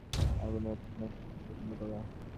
নাহ, সে তো অন্য মানুষকে আঙুলের ওপর নাচাতে খুব পছন্দ করে।